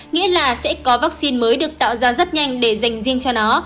nghĩa là sẽ có vaccine mới được tạo ra rất nhanh để dành riêng cho nó